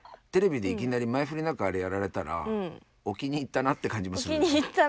テレビでいきなり前振りなくあれやられたらおきにいったなって感じもする。